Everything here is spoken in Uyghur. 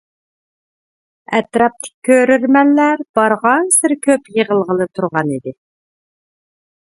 ئەتراپتىكى كۆرۈرمەنلەر بارغانسېرى كۆپ يىغىلغىلى تۇرغان ئىدى.